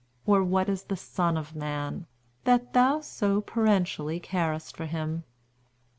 or what is the son of man, that thou so parentally carest for him?'